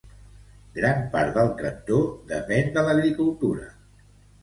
Gran part del cantó depén de l'agricultura.